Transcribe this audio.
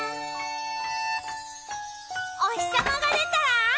「おひさまがでたらわーい！